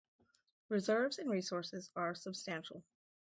Reserves and resources are substantial.